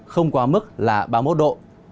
không quá mức là ba mươi một độ